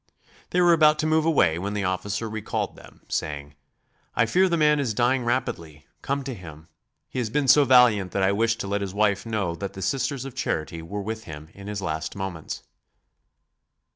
They were about to move away when the officer recalled them, saying: "I fear the man is dying rapidly; come to him. He has been so valiant that I wish to let his wife know that the Sisters of Charity were with him in his last moments."